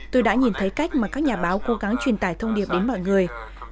tôi đã nhìn thấy cách mà các nhà báo cố gắng truyền tải thông điệp đến mọi người